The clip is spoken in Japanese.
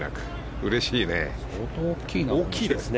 うれしいね。